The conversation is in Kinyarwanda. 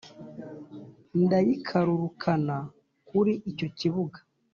Ndayikarurukana kuri icyo kibuga,